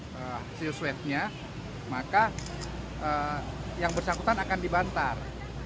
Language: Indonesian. sejak sudah disinfektikan maka yang bersangkutan akan dibantar